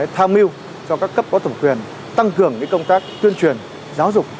tham mưu cho các cấp có tổng quyền tăng cường những công tác tuyên truyền giáo dục